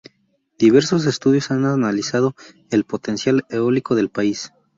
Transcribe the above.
Diversos estudios han analizado el potencial eólico del país.